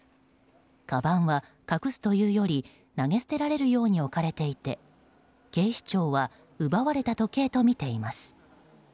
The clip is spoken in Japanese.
かばんは隠すというより投げ捨てられるように置かれていて警視庁は奪われた時計とみています。